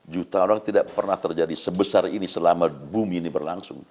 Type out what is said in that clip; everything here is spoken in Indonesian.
juta orang tidak pernah terjadi sebesar ini selama bumi ini berlangsung